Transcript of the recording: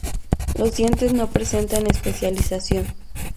Los dientes no presentan especialización.